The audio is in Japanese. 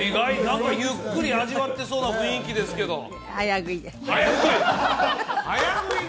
何かゆっくり味わってそうな雰囲気ですけど早食い？